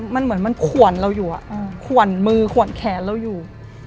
มันเหมือนมันขวนเราอยู่ขวนมือขวนแขนเราอยู่